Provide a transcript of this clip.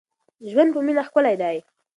ژوند په مینه ښکلی دی.